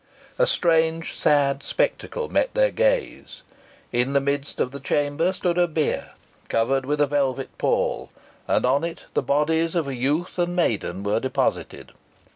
A strange sad spectacle met their gaze. In the midst of the chamber stood a bier, covered with a velvet pall, and on it the bodies of a youth and maiden were deposited.